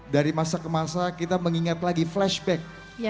dari masa ke masa kita mengingat lagi flashback